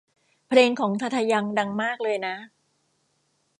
เพลงของทาทา ยัง ดังมากเลยนะ